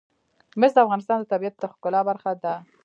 مس د افغانستان د طبیعت د ښکلا برخه ده.